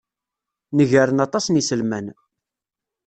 Negren aṭas n yiselman.